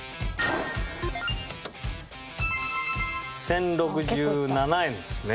１０６７円ですね。